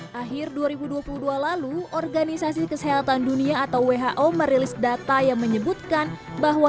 hai akhir dua ribu dua puluh dua lalu organisasi kesehatan dunia atau who merilis data yang menyebutkan bahwa